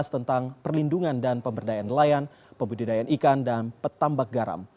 tentang perlindungan dan pemberdayaan nelayan pembudidayaan ikan dan petambak garam